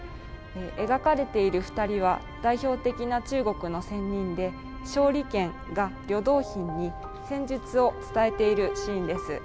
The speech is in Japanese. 描かれている２人は代表的な中国の仙人で鍾離権が呂洞賓に仙術を伝えているシーンです。